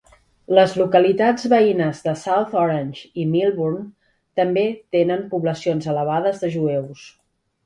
Les localitats veïnes de South Orange i Millburn també tenen poblacions elevades de jueus.